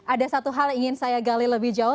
ada satu hal yang ingin saya gali lebih jauh